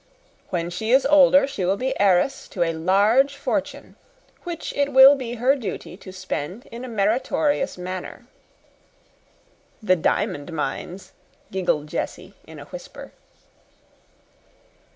When she is older she will be heiress to a large fortune, which it will be her duty to spend in a meritorious manner." "The diamond mines," giggled Jessie, in a whisper.